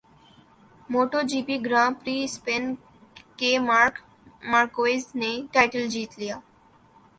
motto G P grand prix Spain کے Marc Marquez نےٹائٹل جیت لیا